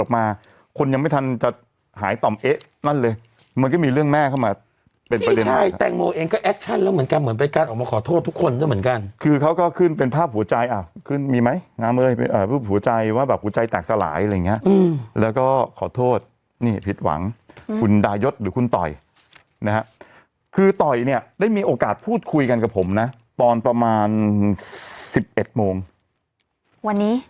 หายต่ำเอ๊ะนั่นเลยมันก็มีเรื่องแม่เข้ามานี่ใช่แต่งโมเองก็แอคชั่นแล้วเหมือนกันเหมือนไปการออกมาขอโทษทุกคนแล้วเหมือนกันคือเขาก็ขึ้นเป็นภาพหัวใจอ่ะขึ้นมีไหมน้ำเอ้ยเป็นเอ่อหัวใจว่าแบบหัวใจแตกสลายอะไรอย่างเงี้ยอืมแล้วก็ขอโทษนี่ผิดหวังคือต่อยเนี้ยได้มีโอกาสพูดคุยกันกับผมน่